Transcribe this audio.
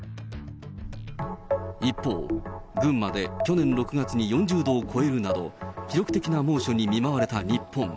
一方、群馬で去年６月に４０度を超えるなど、記録的な猛暑に見舞われた日本。